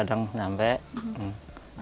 saya juga tidak bisa